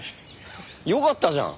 よかったじゃん！